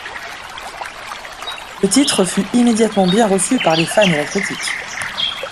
Le titre fut immédiatement bien reçu par les fans et la critique.